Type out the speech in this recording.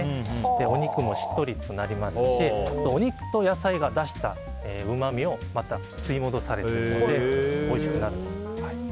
お肉もしっとりとなりますしお肉と野菜が出したうまみがまた吸い戻されておいしくなるんです。